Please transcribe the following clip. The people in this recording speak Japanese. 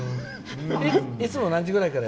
いつも何時ぐらいから？